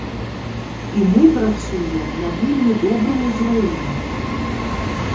І мы працуем на вельмі добрым узроўні.